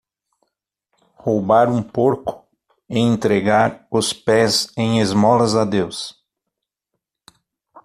Roubar um porco? e entregar os pés em esmolas a Deus.